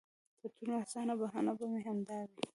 تر ټولو اسانه بهانه به مې همدا وي.